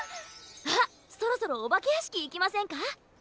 あっそろそろおばけやしきいきませんか？